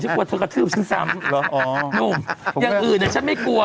ฉันกลัวเธอกระทืบฉันซ้ำหรออ๋อหนุ่มอย่างอื่นแต่ฉันไม่กลัว